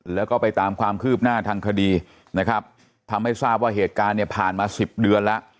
แล้วก็ไปตามความคืบหน้าทางคดีนะครับทำให้ทราบว่าเหตุการณ์เนี่ยผ่านมาสิบเดือนแล้ว